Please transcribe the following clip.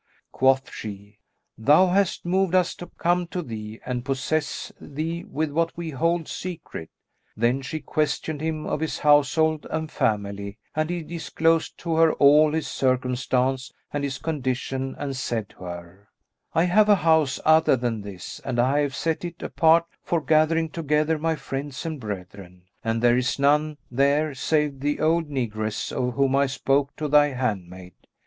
Quoth she, "Thou hast moved us to come to thee and possess thee with what we hold secret." Then she questioned him of his household and family; and he disclosed to her all his circumstance and his condition and said to her, "I have a house other than this; and I have set it apart for gathering together my friends and brethren; and there is none there save the old negress, of whom I spoke to thy handmaid."